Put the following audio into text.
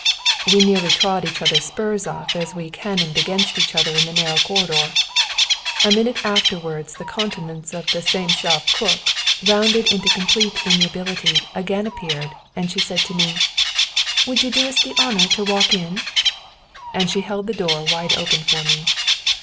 We nearly trod each other's spurs off as we cannoned against each other in the narrow corridor. A minute afterwards the countenance of the self same cook, rounded into complete amiability, again appeared, and she said to me: "Would you do us the honour to walk in?" And she held the door wide open for me.